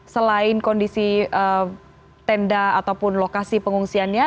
selain kondisi tenda ataupun lokasi pengungsiannya